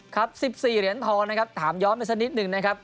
ครับ๑๔เหรียญทองนะครับถามย้อนไปสักนิดหนึ่งนะครับ